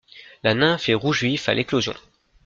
La nymphe est rouge vif à l'éclosion.